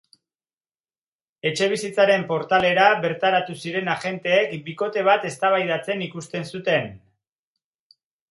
Etxebizitzaren portalera bertaratu ziren agenteek bikote bat eztabaidatzen ikusten zuten.